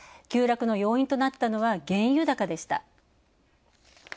急落の要因となったのは原油高でした。